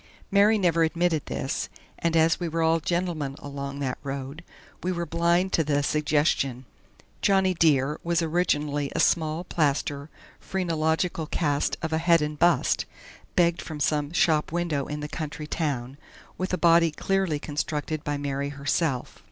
Mary never admitted this, and as we were all gentlemen along that road, we were blind to the suggestion. "Johnny Dear" was originally a small plaster phrenological cast of a head and bust, begged from some shop window in the county town, with a body clearly constructed by Mary herself.